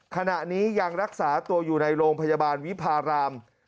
ขณะนี้ยังรักษาตัวอยู่ในโรงพยาบาลวิพาราม